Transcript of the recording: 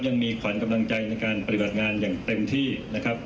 ยังมีขวัญกำลังใจในการปฏิบัติงานอย่างเต็มที่นะครับ